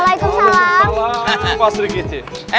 waalaikumsalam pak srege